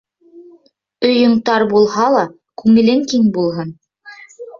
Өйөң тар булһа ла, күңелең киң булһын.